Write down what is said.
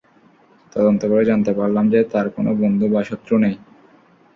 তদন্ত করে জানতে পারলাম যে, তার কোন বন্ধু বা শত্রু নেই।